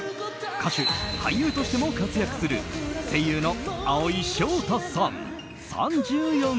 歌手、俳優としても活躍する声優の蒼井翔太さん、３４歳。